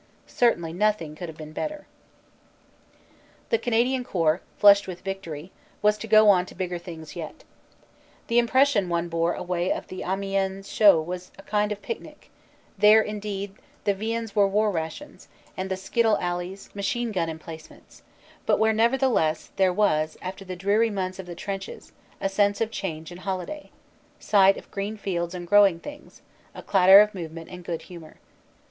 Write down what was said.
Certainly nothing could have been better." The Canadian Corps, flushed with victory, was to go on to bigger things yet. The impression one bore away of the Amiens show was of a kind of picnic; there, indeed, the viands were war rations, and the skittle alleys, machine gun emplacements; but where, nevertheless, there was, after the SIDELIGHTS OF BATTLE 85 dreary months of the trenches, a sense of change and holiday; sight of green fields and growing things ; a clatter of movement and good humor.